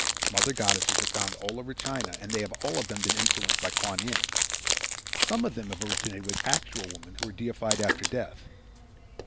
Mother goddesses are found all over China and they have all of them been influenced by Kuan Yin. Some of them have originated with actual women who were deified after death.